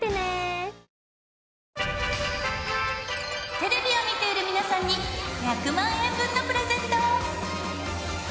テレビを見ている皆さんに１００万円分のプレゼント。